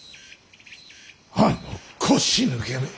あの腰抜けめ。